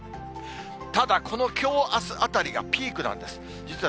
ただ、このきょう、あすあたりがピークなんです。